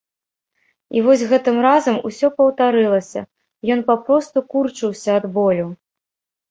І вось гэтым разам усё паўтарылася, ён папросту курчыўся ад болю.